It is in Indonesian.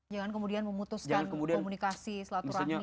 jangan kemudian memutuskan komunikasi selatu rahmi gitu ya